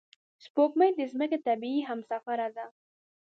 سپوږمۍ د ځمکې طبیعي همسفره ده